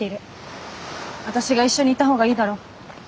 私が一緒にいたほうがいいだろう。